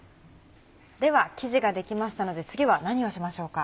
では生地ができましたので次は何をしましょうか？